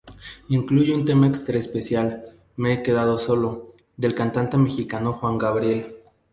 Incluye un tema extra especial: "Me he quedado solo" del cantante mexicano Juan Gabriel.